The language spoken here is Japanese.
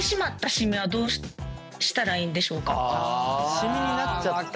シミになっちゃった。